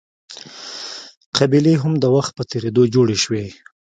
قبیلې هم د وخت په تېرېدو جوړې شوې.